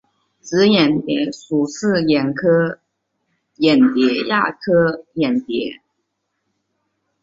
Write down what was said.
紫眼蝶属是眼蝶亚科眼蝶族黛眼蝶亚族中的一个属。